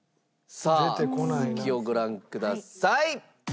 さあ続きをご覧ください。